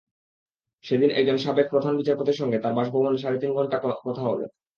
সেদিন একজন সাবেক প্রধান বিচারপতির সঙ্গে তাঁর বাসভবনে সাড়ে তিন ঘণ্টা কথা হলো।